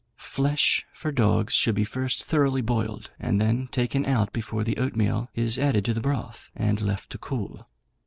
Flesh for dogs should be first thoroughly boiled and then taken out before the oatmeal is added to the broth, and left to cool.